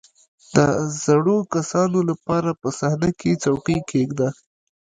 • د زړو کسانو لپاره په صحنه کې څوکۍ کښېږده.